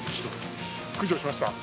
駆除しました。